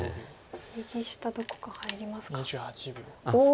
右下どこか入りますか。